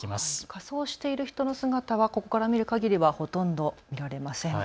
仮装している人の姿はここから見るかぎりはほとんど見られません。